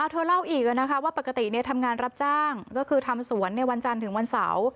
เธอเล่าอีกว่าปกติทำงานรับจ้างก็คือทำสวนในวันจันทร์ถึงวันเสาร์